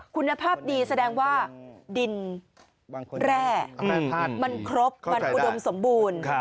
คุณภาพดีแสดงว่าดินแร่มันครบมันอุดมสมบูรณ์